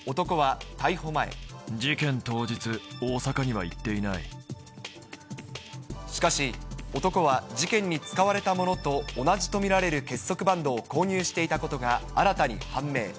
事件当日、しかし、男は事件に使われたものと同じと見られる結束バンドを購入していたことが新たに判明。